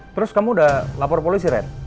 terus kamu udah lapor polisi red